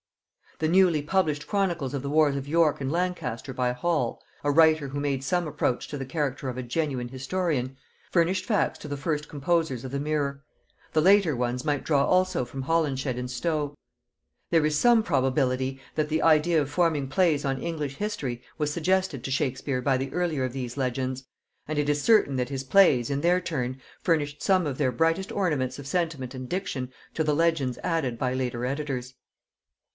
The newly published chronicles of the wars of York and Lancaster by Hall, a writer who made some approach to the character of a genuine historian, furnished facts to the first composers of the Mirror; the later ones might draw also from Holinshed and Stow. There is some probability that the idea of forming plays on English history was suggested to Shakespeare by the earlier of these legends; and it is certain that his plays, in their turn, furnished some of their brightest ornaments of sentiment and diction to the legends added by later editors.